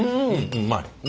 うまい。